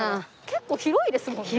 結構広いですもんね。